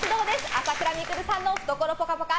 朝倉未来さんの懐ぽかぽか！